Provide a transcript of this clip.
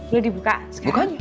boleh dibuka sekarang